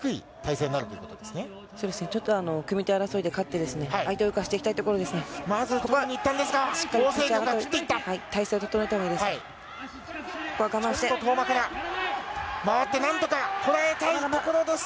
組み手争いで勝って相手を浮かしていきたいところです。